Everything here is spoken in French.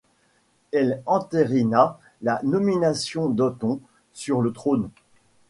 Elle entérina la nomination d'Othon sur le trône.